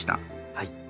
はい。